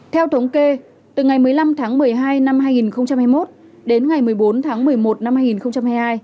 theo thống kê từ ngày một mươi năm tháng một mươi hai năm hai nghìn hai mươi một đến ngày một mươi bốn tháng một mươi một năm hai nghìn hai mươi hai